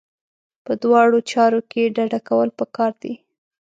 په دواړو چارو کې ډډه کول پکار دي.